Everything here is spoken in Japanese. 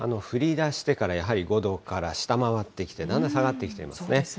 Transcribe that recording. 降りだしてからやはり５度から下回ってきて、だんだん下がってきていますね。